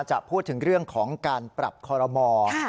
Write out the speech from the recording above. จะพูดถึงเรื่องของการปรับคอรมอล์